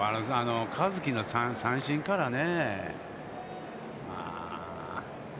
香月の三振からね。